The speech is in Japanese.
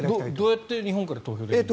どうやって日本から投票できるんですか。